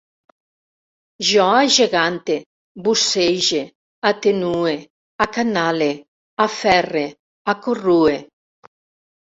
Jo agegante, bussege, atenue, acanale, aferre, acorrue